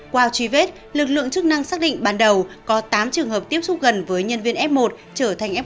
qua truy vết lực lượng chức năng xác định ban đầu có tám trường hợp tiếp xúc gần với nhân viên f một trở thành f một